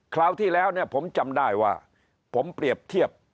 คราวที่แล้วเนี่ยผมจำได้ว่าผมเปรียบเทียบ